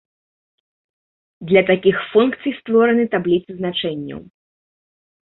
Для такіх функцый створаны табліцы значэнняў.